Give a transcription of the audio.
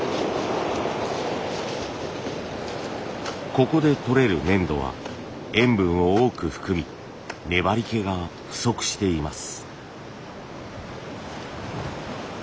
ここでとれる粘土は塩分を多く含み粘りけが不足しています。